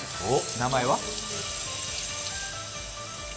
名前は？